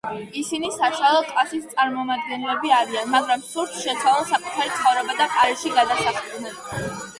ისინი საშუალო კლასის წარმომადგენლები არიან, მაგრამ სურთ, შეცვალონ საკუთარი ცხოვრება და პარიზში გადასახლდნენ.